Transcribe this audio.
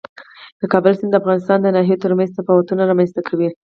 د کابل سیند د افغانستان د ناحیو ترمنځ تفاوتونه رامنځ ته کوي.